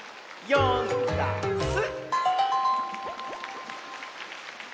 「よんだんす」